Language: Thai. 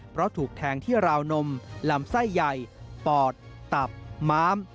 เพราะถูกแทงที่ราวนมลำไส้ใหญ่ปอดตับม้าม